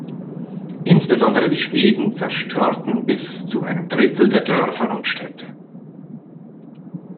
Insbesondere die Schweden zerstörten bis zu einem Drittel der Dörfer und Städte.